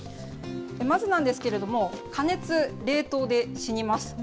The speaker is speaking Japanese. まずなんですけれども、加熱、冷凍で死にます。